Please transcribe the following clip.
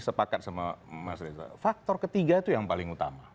sepakat sama mas reza faktor ketiga itu yang paling utama